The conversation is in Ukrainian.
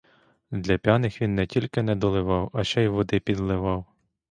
Для п'яних він не тільки не доливав, а ще й води підливав.